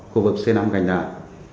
khu vực xây nắm cành đạn